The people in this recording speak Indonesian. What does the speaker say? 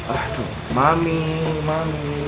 aduh mami mami